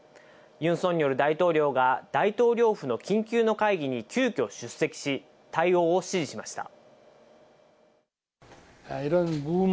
ユン・ソンニョル大統領が、大統領府の緊急の会議に急きょ出席し、対応を指示しました。